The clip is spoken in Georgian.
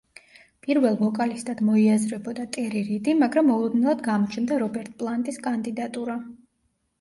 პირველ ვოკალისტად მოიაზრებოდა ტერი რიდი, მაგრამ მოულოდნელად გამოჩნდა რობერტ პლანტის კანდიდატურა.